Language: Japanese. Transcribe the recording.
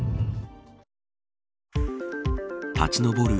立ち昇る